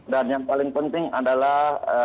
dan yang paling penting adalah